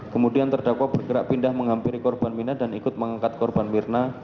kemudian terdakwa bergerak pindah menghampiri korban minah dan ikut mengangkat korban mirna ke kursi roda